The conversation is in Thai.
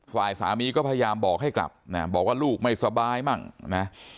ฝ่ายสามีก็พยายามบอกให้กลับนะบอกว่าลูกไม่สบายมั่งนะ